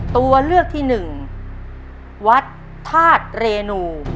ตัวเลือกที่หนึ่งวัดธาตุเรนู